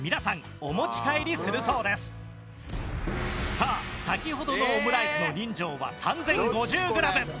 さあ先ほどのオムライスの人情は３０５０グラム。